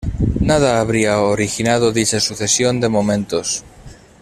Nada habría originado dicha sucesión de momentos.